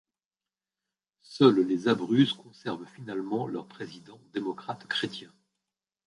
Seules les Abruzzes conservent finalement leur président démocrate chrétien.